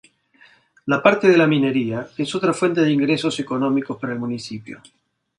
La parte de la minería es otra fuente de ingresos económicos para el municipio.